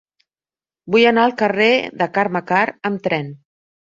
Vull anar al carrer de Carme Karr amb tren.